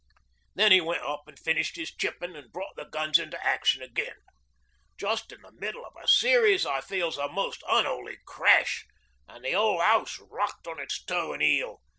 Then 'e went up an' finished 'is chippin' an' brought the guns into action again. Just in the middle o' a series I feels a most unholy crash, an' the whole house rocked on its toe an' heel.